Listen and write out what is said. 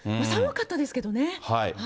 寒かったですけどね。